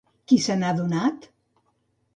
Qui se n'ha adonat?